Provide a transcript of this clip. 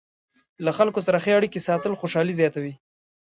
له خلکو سره ښې اړیکې ساتل خوشحالي زیاتوي.